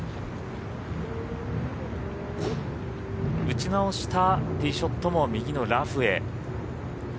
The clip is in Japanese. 打ち直したティーショットも右のラフへ。